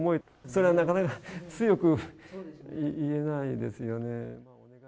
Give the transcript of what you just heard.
それはなかなか強く言えないですよね。